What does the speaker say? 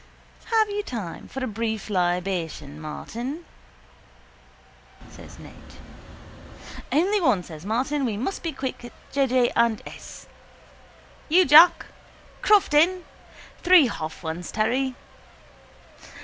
—Have you time for a brief libation, Martin? says Ned. —Only one, says Martin. We must be quick. J. J. and S. —You, Jack? Crofton? Three half ones, Terry.